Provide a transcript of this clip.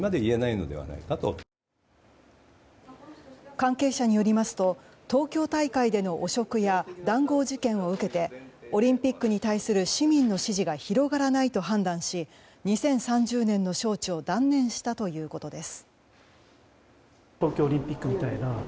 関係者によりますと東京大会での汚職や談合事件を受けてオリンピックに対する市民の支持が広がらないと判断し２０３０年の招致を断念したということです。